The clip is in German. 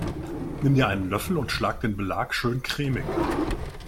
Nimm dir einen Löffel und schlag den Belag schön cremig.